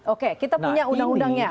oke kita punya undang undangnya